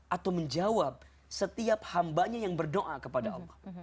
atau menjawab setiap hambanya yang berdoa kepada allah